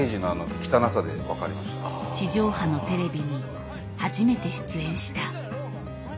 地上波のテレビに初めて出演した。